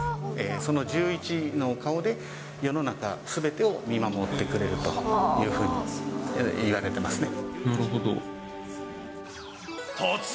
その１１の顔で、世の中すべてを見守ってくれるというふうにいわれてますね。